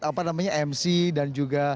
apa namanya mc dan juga